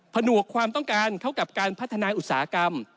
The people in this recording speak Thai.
ผนวกความต้องการเข้ากับการพัฒนาอุตสาหกรรม